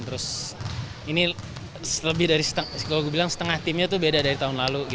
lalu ini lebih dari setengah timnya itu beda dari tahun lalu